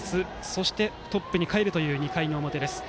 そしてトップにかえるという２回の表。